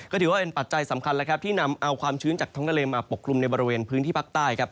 ก็ถือว่าเป็นปัจจัยสำคัญแล้วครับที่นำเอาความชื้นจากท้องทะเลมาปกคลุมในบริเวณพื้นที่ภาคใต้ครับ